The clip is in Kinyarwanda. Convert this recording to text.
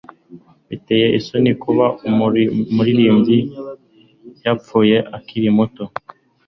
Biteye isoni kuba umuririmbyi yapfuye akiri muto.